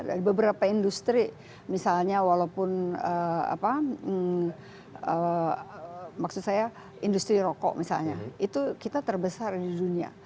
dari beberapa industri misalnya walaupun maksud saya industri rokok misalnya itu kita terbesar di dunia